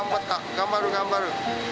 頑張る頑張る。